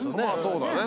そうだね。